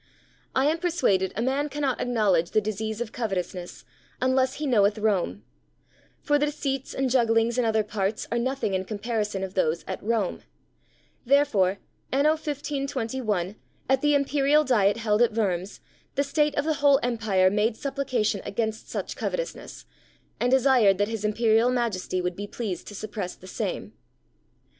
I am persuaded a man cannot acknowledge the disease of covetousness unless he knoweth Rome; for the deceits and jugglings in other parts are nothing in comparison of those at Rome; therefore, anno 1521, at the Imperial Diet held at Worms, the State of the whole Empire made supplication against such covetousness, and desired that his Imperial Majesty would be pleased to suppress the same.